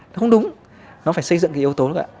nó không đúng nó phải xây dựng yếu tố